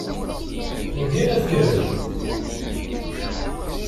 Ugin ad kkren.